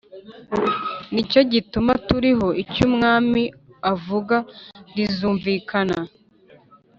Nicyo gituma turiho icyo umwami avuga rizumvikane.